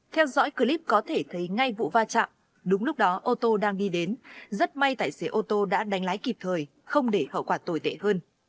theo dõi clip có thể thấy ngay vụ va chạm đúng lúc đó ô tô đang đi đến rất may tài xế ô tô đã đánh lái kịp thời không để hậu quả tồi tệ hơn